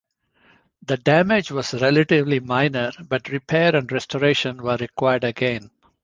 The damage was relatively minor, but repair and restoration were required again.